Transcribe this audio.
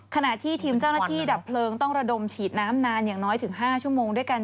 ขณะที่ทีมเจ้าหน้าที่ดับเพลิงต้องระดมฉีดน้ำนานอย่างน้อยถึง๕ชั่วโมงด้วยกัน